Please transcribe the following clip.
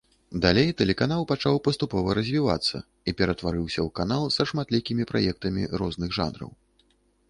Далей тэлеканал пачаў паступова развівацца і ператварыўся ў канал са шматлікімі праектамі розных жанраў.